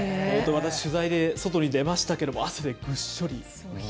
私、取材で外に出ましたけれども、汗でぐっしょり。